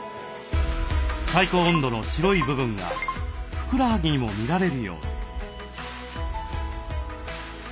最高温度の白い部分がふくらはぎにも見られるように。